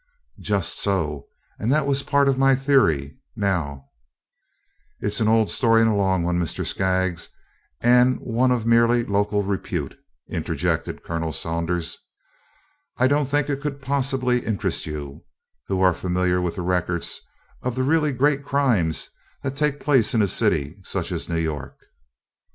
"Just so, and that was part of my theory. Now " "It 's an old story and a long one, Mr. Skaggs, and one of merely local repute," interjected Colonel Saunders. "I don't think it could possibly interest you, who are familiar with the records of the really great crimes that take place in a city such as New York."